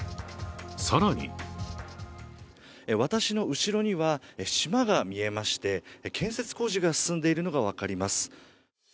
更に私の後ろには島が見えまして、建設工事が進んでいるのが分かります。